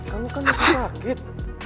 kamu kan masih sakit